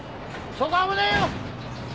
・そこ危ねぇよ！